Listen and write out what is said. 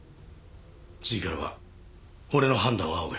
次からは俺の判断を仰げ。